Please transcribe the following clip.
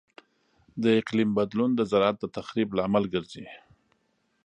د اقلیم بدلون د زراعت د تخریب لامل کیږي.